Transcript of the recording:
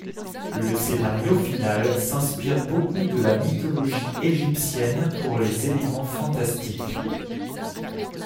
Le scénario final s'inspire beaucoup de la mythologie égyptienne pour les éléments fantastiques.